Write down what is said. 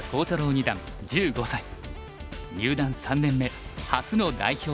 入段３年目初の代表入りです。